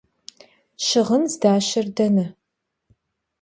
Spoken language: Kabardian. Şığın zdaşer dene?